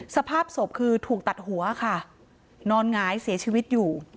สภาพศพคือถูกตัดหัวค่ะนอนหงายเสียชีวิตอยู่